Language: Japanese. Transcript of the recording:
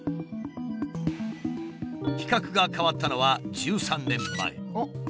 規格が変わったのは１３年前。